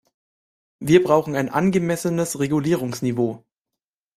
Wir brauchen ein angemessenes Regulierungsniveau.